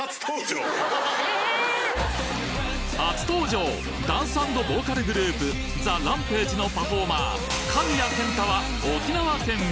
初登場ダンス＆ボーカルグループＴＨＥＲＡＭＰＡＧＥのパフォーマー